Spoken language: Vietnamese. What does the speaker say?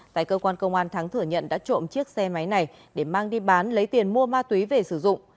tại cơ quan công an thắng thử nhận đã trộm chiếc xe máy này để mang đi bán lấy tiền mua ma túy về sử dụng